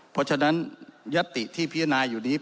เพราะฉะนั้นยัตติที่พิจารณาอยู่นี้